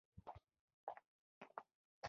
د سبا په اړه فکر کول یو کس داسې ظرفیت ته وایي.